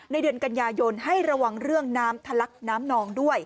เดือนกันยายนให้ระวังเรื่องน้ำทะลักน้ำนองด้วย